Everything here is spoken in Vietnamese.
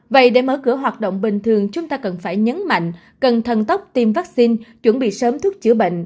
vậy để mở cửa hoạt động bình thường chúng ta cần phải nhấn mạnh cần thần tốc tiêm vaccine chuẩn bị sớm thuốc chữa bệnh